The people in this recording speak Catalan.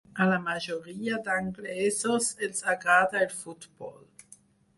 A la majoria d'angolesos els agrada el futbol.